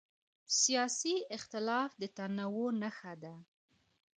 سیاسي اختلاف د تنوع نښه ده